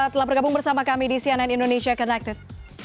telah bergabung bersama kami di cnn indonesia connected